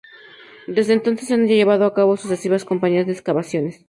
Desde entonces se han llevado a cabo sucesivas campañas de excavaciones.